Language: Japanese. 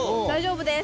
大丈夫？